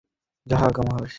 আজ্ঞা হাঁ মহারাজ।